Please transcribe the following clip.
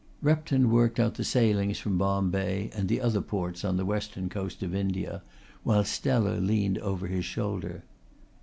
Repton worked out the sailings from Bombay and the other ports on the western coast of India while Stella leaned over his shoulder.